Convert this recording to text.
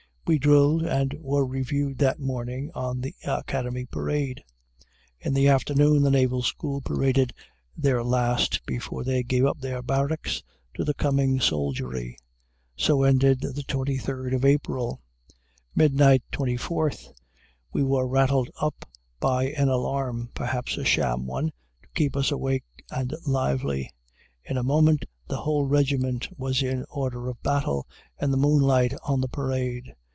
We drilled and were reviewed that morning on the Academy parade. In the afternoon the Naval School paraded their last before they gave up their barracks to the coming soldiery. So ended the 23d of April. Midnight, 24th. We were rattled up by an alarm, perhaps a sham one, to keep us awake and lively. In a moment, the whole regiment was in order of battle in the moonlight on the parade.